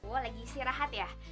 gue lagi istirahat ya